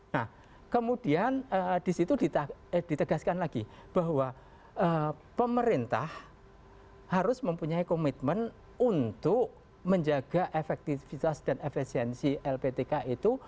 nah kemudian disitu ditegaskan lagi bahwa pemerintah harus mempunyai komitmen untuk menjaga efektivitas dan efisiensi lptk itu